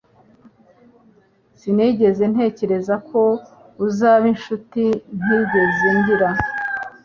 Sinigeze ntekereza ko uzaba inshuti ntigeze ngira